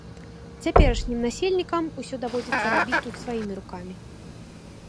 Цяперашнім насельнікам усё даводзіцца рабіць тут сваімі рукамі.